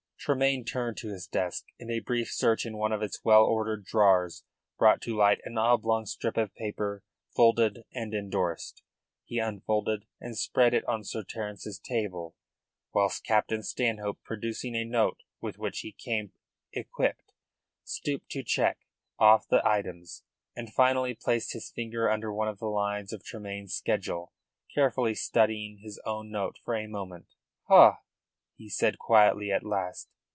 Tremayne turned to his desk, and a brief search in one of its well ordered drawers brought to light an oblong strip of paper folded and endorsed. He unfolded and spread it on Sir Terence's table, whilst Captain Stanhope, producing a note with which he came equipped, stooped to check off the items. Suddenly he stopped, frowned, and finally placed his finger under one of the lines of Tremayne's schedule, carefully studying his own note for a moment. "Ha!" he said quietly at last.